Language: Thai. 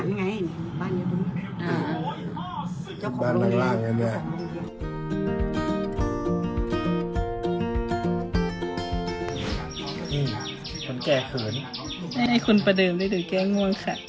นี่คนแก่เขินให้คุณประเดิมได้ถือแก้ง่วงค่ะ